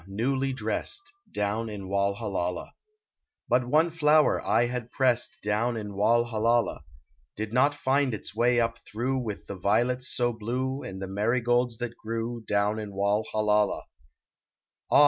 newly dressed, Down in Walhallalah. But one flower I had pressed Down in Walhallalah, Did not find its way up through With the violets so blue And the marigolds that grew Down in Walhallalah. Ah